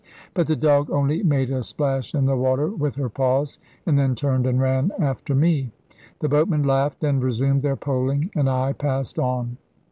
But the dog only made a splash in the water with her paws, and then turned and ran after me. The boatmen laughed and resumed their poling, and I passed on.